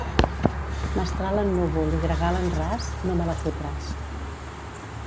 Mestral en núvol i gregal en ras, no me la fotràs.